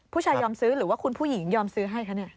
ผู้ชายยอมซื้อหรือว่าคุณผู้หญิงยอมซื้อให้คะเนี่ย